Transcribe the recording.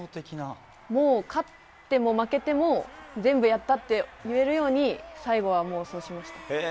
勝っても負けても全部やったって言えるように最後は、そうしました。